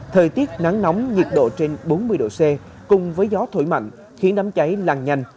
thời tiết nắng nóng nhiệt độ trên bốn mươi độ c cùng với gió thổi mạnh khiến đám cháy lan nhanh